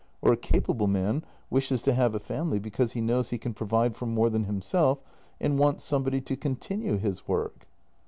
Or a capable man wishes to have a family because he know T s he can provide for more than himself, and wants somebody to continue his work."